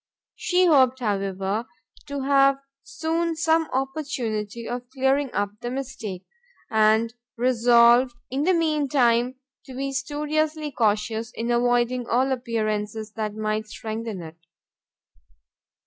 She hoped, however, to have soon some opportunity of clearing up the mistake, and resolved in the mean time to be studiously cautious in avoiding all appearances that might strengthen it.